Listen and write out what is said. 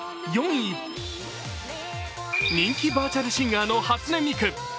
人気バーチャルシンガーの初音ミク。